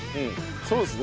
そうですね。